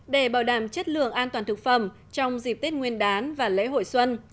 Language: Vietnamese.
để bảo đảm chất lượng an toàn thực phẩm trong dịp tết nguyên đán và lễ hội xuân